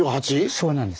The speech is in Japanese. そうなんです。